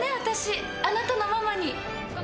私あなたのママに！